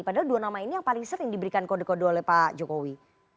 padahal dua nama ini yang paling sering diberikan kode kode oleh pak jokowi